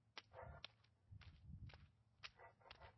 Ikerketa guztiak zabalik jarraitzen dute.